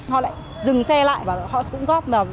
họ lại dừng xe lại và họ cũng góp vào